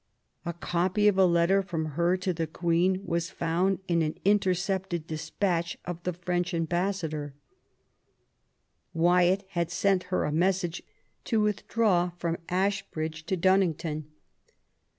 A copy of a letter from her to the Queen was found in an intercepted dis patch of the French ambassador; Wyatt had sent her a message to withdraw from Ashbridge to Dun nington.